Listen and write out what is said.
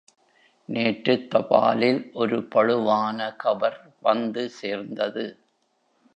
நேற்றுத் தபாலில் ஒரு பளுவான கவர் வந்து சேர்ந்தது.